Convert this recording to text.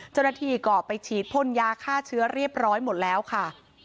เจ้าหน้าที่ก็ไปฉีดพ่นยาฆ่าเชื้อเรียบร้อยหมดแล้วค่ะ